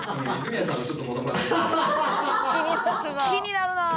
「気になるなあ」